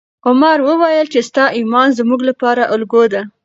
عمر وویل چې ستا ایمان زموږ لپاره الګو ده.